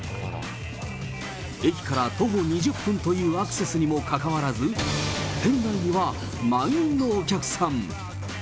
駅から徒歩２０分というアクセスにもかかわらず、店内には満員のお客さん。